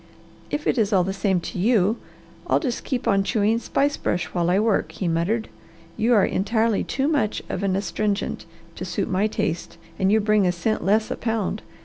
"If it is all the same to you, I'll just keep on chewing spice brush while I work," he muttered. "You are entirely too much of an astringent to suit my taste and you bring a cent less a pound.